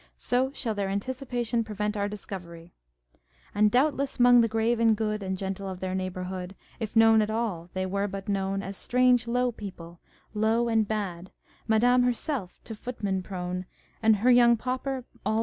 " So xhall their anticipation prevent our discovery /" And doubtless 'mong the grave and good And gentle of their neighbourhood, If known at all, they were but known As strange, low people, low and bad, Madame herself to footrnen prone, Aud her young pauper, all but mad.